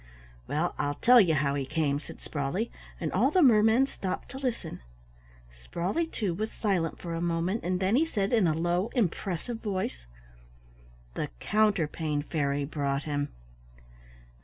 "Well, I'll tell you how he came," said Sprawley, and all the mermen stopped to listen. Sprawley, too, was silent for a moment, and then he said in a low, impressive voice, "The Counterpane Fairy brought him."